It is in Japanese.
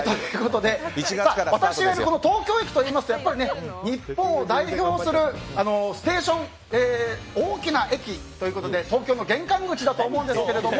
私は東京駅といいますと日本を代表するステーション大きな駅ということで東京の玄関口だと思うんですけど